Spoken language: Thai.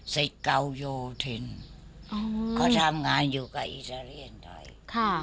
สิทธิ์เก่าโยธินเขาทำงานอยู่กับอิตาเลียนไทยค่ะ